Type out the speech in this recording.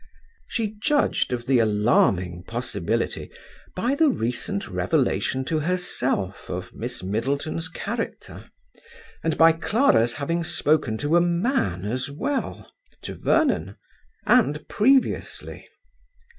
She judged of the alarming possibility by the recent revelation to herself of Miss Middleton's character, and by Clara's having spoken to a man as well (to Vernon), and previously.